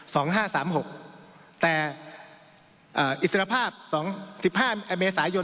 สองห้าสามหกแต่เอ่ออิสรภาพสองสิบห้าเมษายน